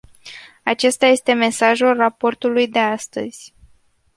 Acesta este mesajul raportului de astăzi.